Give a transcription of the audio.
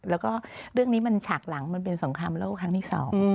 แล้วก็เรื่องนี้มันฉากหลังมันเป็นสงครามโลกครั้งที่สอง